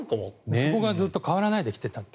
そこがずっと変わらないで来ていたと。